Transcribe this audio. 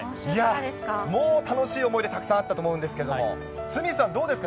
もう楽しい思い出、たくさんあったと思うんですけれども、鷲見さん、どうですか？